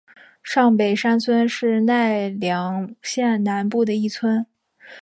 上北山村是奈良县南部的一村。